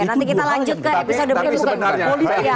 nanti kita lanjut ke episode berikutnya